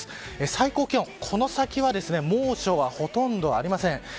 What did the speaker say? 最高気温、この先は猛暑は、ほとんどありません。